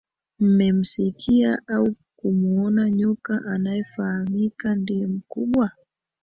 mmemsikia au kumuona nyoka anayefahamika ndiye mkubwa